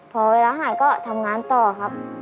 พอเวลาหายก็ทำงานต่อครับ